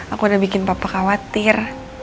aku udah bikin papa khawatir